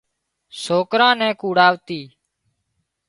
سوڪران نين کوَراَتي